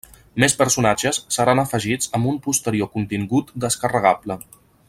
Més personatges seran afegits amb un posterior contingut descarregable.